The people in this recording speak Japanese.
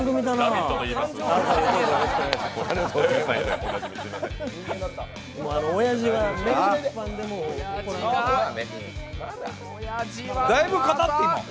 「ラヴィット！」といいます。